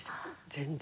全然。